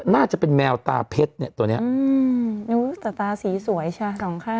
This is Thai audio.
น่าจะเป็นแมวตาเพชรเนี่ยตัวเนี้ยอืมนิ้วแต่ตาสีสวยใช่สองข้าง